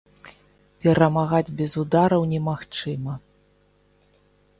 Перамагаць без удараў немагчыма.